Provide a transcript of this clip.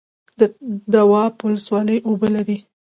د دواب ولسوالۍ اوبه لري